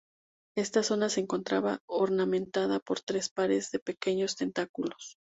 Esta zona se encontraba ornamentada por tres pares de pequeños tentáculos.